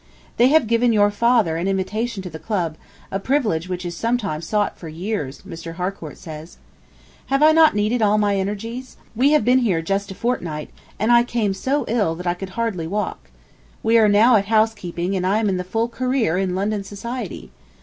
They have given your father an invitation to the Club, a privilege which is sometimes sought for years, Mr. Harcourt says. ... Have I not needed all my energies? We have been here just a fortnight, and I came so ill that I could hardly walk. We are now at housekeeping, and I am in the full career in London society.